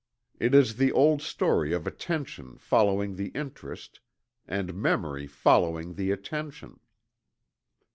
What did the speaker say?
It is the old story of attention following the interest, and memory following the attention.